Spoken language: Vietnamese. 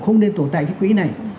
không nên tồn tại cái quỹ này